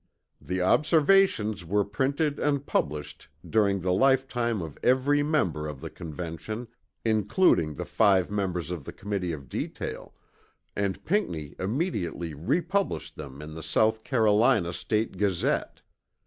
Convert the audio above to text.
The Observations were printed and published during the lifetime of every member of the Convention, including the five members of the Committee of Detail, and Pinckney immediately republished them in the South Carolina State Gazette.